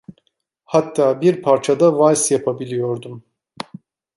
Hatta bir parça da vals yapabiliyordum.